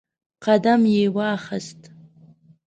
قدم یې واخیست